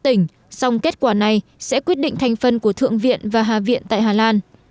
tỉnh song kết quả này sẽ quyết định thành phần của thượng viện và hạ viện tại hà lan